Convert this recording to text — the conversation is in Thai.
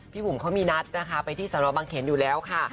พี่บุ๋มเขามีนัดไปที่สำรวจบังเขนอยู่แล้วค่ะ